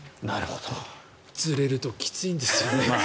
ずれるときついんですよね。